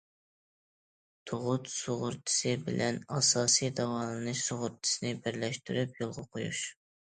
تۇغۇت سۇغۇرتىسى بىلەن ئاساسىي داۋالىنىش سۇغۇرتىسىنى بىرلەشتۈرۈپ يولغا قويۇش.